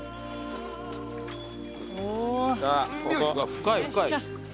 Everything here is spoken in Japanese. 深い深い。